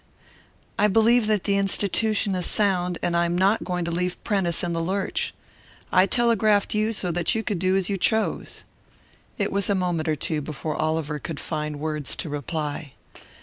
"I believe that the institution is sound; and I am not going to leave Prentice in the lurch. I telegraphed you, so that you could do as you chose." It was a moment or two before Oliver could find words to reply.